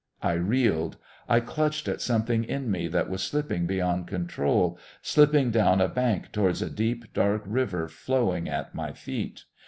I reeled. I clutched at something in me that was slipping beyond control, slipping down a bank towards a deep, dark river flowing at my feet.